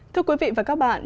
thưa quý vị và các bạn